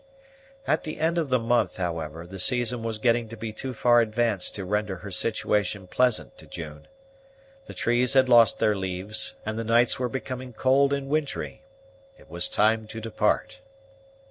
At the end of the month, however, the season was getting to be too far advanced to render her situation pleasant to June. The trees had lost their leaves, and the nights were becoming cold and wintry. It was time to depart.